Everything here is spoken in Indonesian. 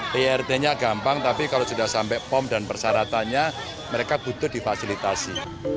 prt nya gampang tapi kalau sudah sampai pom dan persaratannya mereka butuh difasilitasi